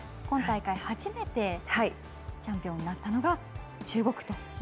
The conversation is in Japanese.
今大会、初めてチャンピオンになったのが中国と。